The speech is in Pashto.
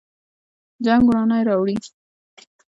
جنګ ورانی راوړي